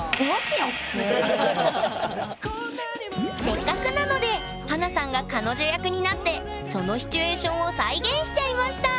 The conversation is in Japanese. せっかくなので華さんが彼女役になってそのシチュエーションを再現しちゃいました！